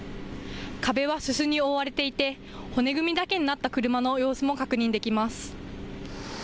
壁はすすに覆われていて骨組みだけになった車の様子も確認できます。